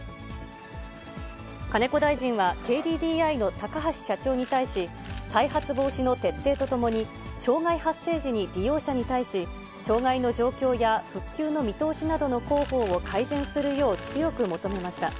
金子大臣はＫＤＤＩの高橋社長に対し、再発防止の徹底とともに、障害発生時に利用者に対し、障害の状況や復旧の見通しなどの広報を改善するよう強く求めました。